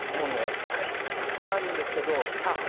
使いみちたくさんあるんですけどチャーハン。